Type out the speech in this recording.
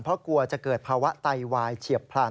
เพราะกลัวจะเกิดภาวะไตวายเฉียบพลัน